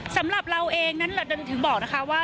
สำหรับเราเองนั้นถึงบอกนะคะว่า